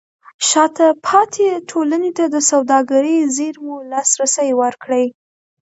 شاته پاتې ټولنې ته د سوداګرۍ زېرمو لاسرسی ورکړئ.